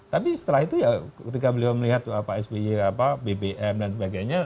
tapi setelah itu ya ketika beliau melihat pak sby bbm dan sebagainya